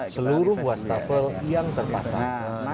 seluruh washtafel yang terpasang